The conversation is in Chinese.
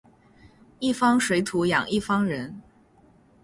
一方水土养一方人